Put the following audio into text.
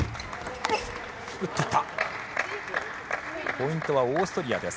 ポイントはオーストリアです。